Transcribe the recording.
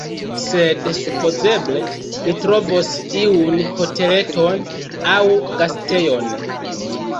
Sed supozeble ni trovos iun hoteleton aŭ gastejon.